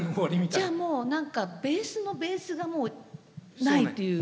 じゃあもう何かベースのベースがもうないという。